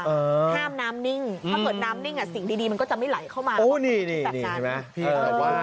แทบออกให้ห้ามน้ำนิ้งถ้ากับน้ำนิ่งสิ่งดีจะไม่ไหลเข้ามา